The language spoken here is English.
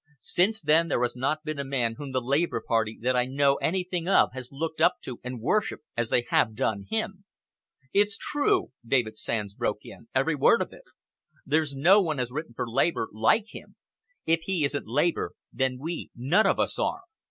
Since then there has not been a man whom the Labour Party that I know anything of has looked up to and worshipped as they have done him." "It's true," David Sands broke in, "every word of it. There's no one has written for Labour like him. If he isn't Labour, then we none of us are.